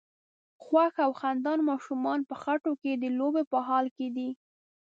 خوښ او خندان ماشومان په خټو کې د لوبو په حال کې دي.